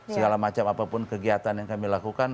segala macam apapun kegiatan yang kami lakukan